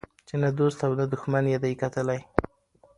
چي نه دو ست او نه دښمن یې دی کتلی